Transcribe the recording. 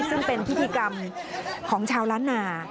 ซึ่งเป็นพิธีกรรมของชาวล้านนา